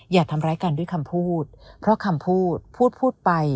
อย่าทำร้ายกันด้วยคำพูดเพราะคำพูดพูดพูดไป